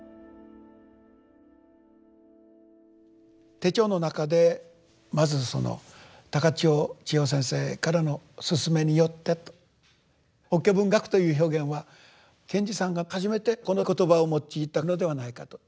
手帳の中でまずその高知尾智耀先生からの奨めによってと法華文学という表現は賢治さんが初めてこの言葉を用いたのではないかと。